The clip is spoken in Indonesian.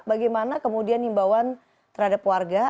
bagaimana kemudian himbauan terhadap warga